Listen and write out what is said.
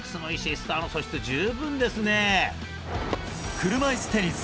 車いすテニス